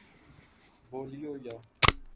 Bolivia